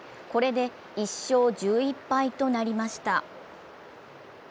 これで１勝１１敗となりました。